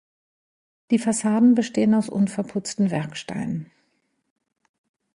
Die Fassaden bestehen aus unverputzten Werksteinen.